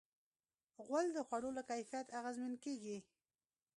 غول د خوړو له کیفیت اغېزمن کېږي.